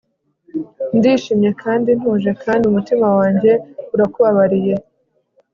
ndishimye kandi ntuje, kandi umutima wanjye urakubabariye